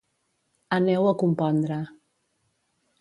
Aneu-ho a compondre.